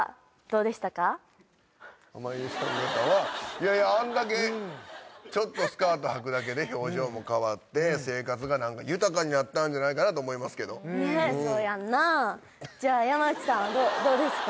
いやいやあんだけちょっとスカートはくだけで表情も変わって生活がなんか豊かになったんじゃないかなと思いますけどねっじゃあ山内さんどうですか？